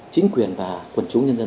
chính quyền và quần chúng nhân dân